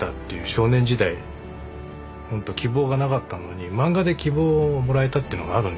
少年時代ほんと希望がなかったのに漫画で希望をもらえたっていうのがあるんですよ。